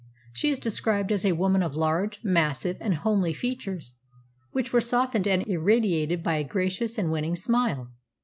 She is described as a woman of large, massive, and homely features, which were softened and irradiated by a gracious and winning smile.